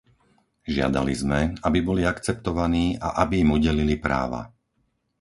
Žiadali sme, aby boli akceptovaní a aby im udelili práva.